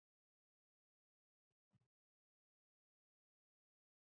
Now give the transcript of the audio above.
خو نور فکتورونه ممکن بې خطره وي